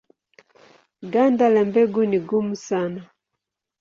Ganda la mbegu ni gumu sana.